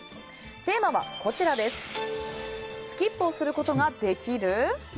テーマはスキップをすることができる？